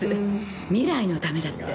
未来のためだって。